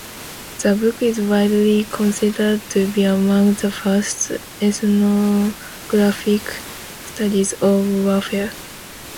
The book is widely considered to be among the first ethnographic studies of warfare.